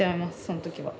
その時は。